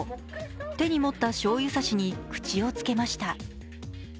手に持ったしょうゆ差しに口をつけました。